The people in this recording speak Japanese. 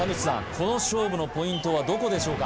この勝負のポイントはどこでしょうか？